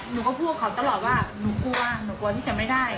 หนูก็พูดเขาตลอดว่าหนูกลัวหนูกลัวที่จะไม่ได้